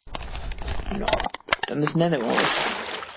No, dan is it net oars.